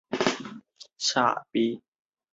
两侧兴建不少贵族豪宅府邸。